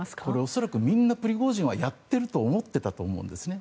恐らくみんなプリゴジンはやっていると思っていたと思うんですね。